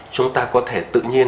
chúng ta có thể tự nhiên